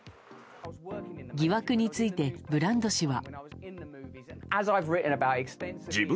疑惑についてブランド氏は。